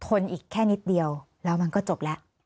อีกแค่นิดเดียวแล้วมันก็จบแล้ว